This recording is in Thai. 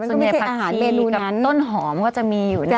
ส่วนใหญ่ผัดฉี่กับต้นหอมก็จะมีอยู่นะ